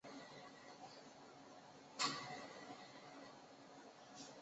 可是由于预算不足提案再度否决。